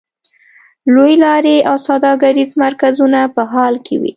لویې لارې او سوداګریز مرکزونه په حال کې وې.